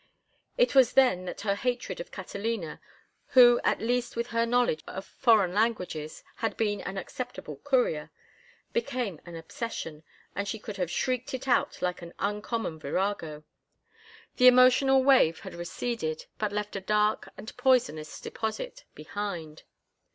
It was then that her hatred of Catalina—who at least with her knowledge of foreign languages had been an acceptable courier—became an obsession, and she could have shrieked it out like any common virago. The emotional wave had receded, but left a dark and poisonous deposit behind.